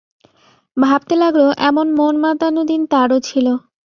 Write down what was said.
ভাবতে লাগল, এমন মন-মাতানো দিন তারও ছিল।